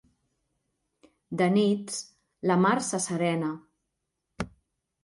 De nits, la mar s'asserena.